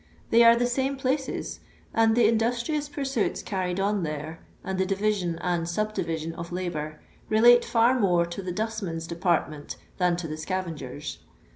They are the same places, and the industrious pursuits carried on there, and the division and subdivision of labour, relate far more to the dustmen's department than to the scavengers'.